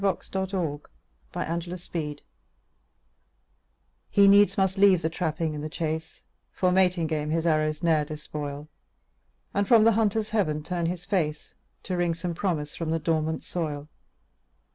THE INDIAN CORN PLANTER He needs must leave the trapping and the chase, For mating game his arrows ne'er despoil, And from the hunter's heaven turn his face, To wring some promise from the dormant soil.